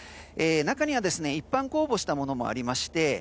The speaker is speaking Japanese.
中には一般公募したものもありまして